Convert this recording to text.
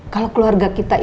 kalau keluarga kita ini